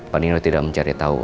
pak nino tidak mencari tahu